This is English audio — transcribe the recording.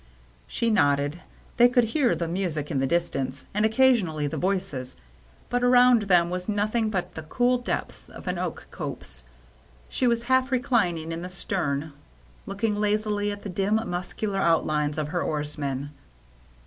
She nodded. They could hear the music in the distance, and occasionally the voices ; but around them was nothing but the cool depths of an oak copse. She was half reclin ing in the stern, looking lazily at the dim muscular outlines of her oarsman.